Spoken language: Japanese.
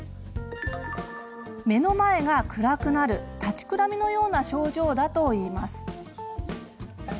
目の前が暗くなる立ちくらみのような症状だといいます。